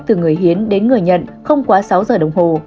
từ người hiến đến người nhận không quá sáu giờ đồng hồ